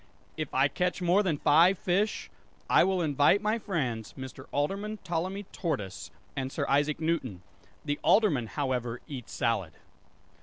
"If I catch more than five fish, I will invite my friends Mr. Alderman Ptolemy Tortoise and Sir Isaac Newton. The Alderman, however, eats salad."